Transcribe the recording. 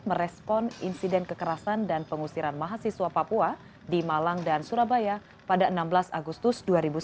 merespon insiden kekerasan dan pengusiran mahasiswa papua di malang dan surabaya pada enam belas agustus dua ribu sembilan belas